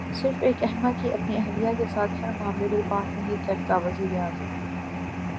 صرف ایک احمق ہی اپنی اہلیہ کے ساتھ ہر معاملے پر بات نہیں کرتا وزیراعظم